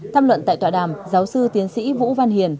tham luận tại tọa đàm giáo sư tiến sĩ vũ văn hiền